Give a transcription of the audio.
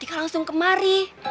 atika langsung kemari